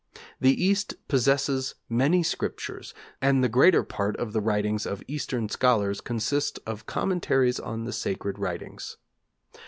The East possesses many scriptures, and the greater part of the writings of Eastern scholars consist of commentaries on the sacred writings.